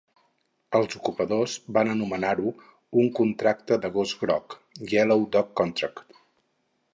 Els ocupadors van anomenar-ho un "contracte de gos groc" (yellow-dog contract).